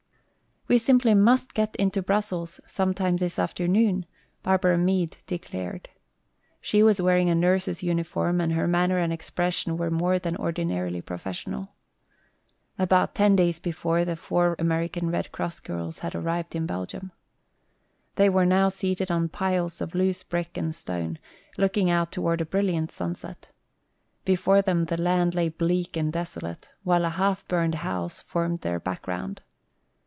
"We simply must get into Brussels some time this afternoon," Barbara Meade declared. She was wearing her nurse's uniform and her manner and expression were more than ordinarily professional. About ten days before the four American Red Cross girls had arrived in Belgium. They were now seated on piles of loose brick and stone looking out toward a brilliant sunset. Before them the land lay bleak and desolate, while a half burned house formed their background.